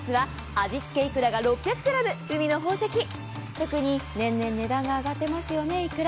特に年々値段が上がっていますよね、いくら。